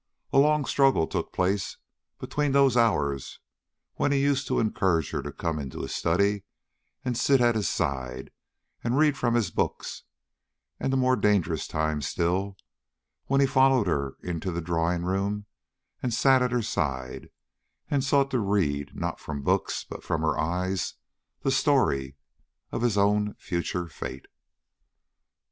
A long struggle took place between those hours when he used to encourage her to come into his study and sit at his side, and read from his books, and the more dangerous time still, when he followed her into the drawing room and sat at her side, and sought to read, not from books, but from her eyes, the story of his own future fate.